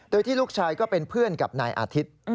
โดยที่ลูกชายก็เป็นเพื่อนกับนายอาทิตย์